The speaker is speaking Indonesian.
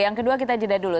yang kedua kita jeda dulu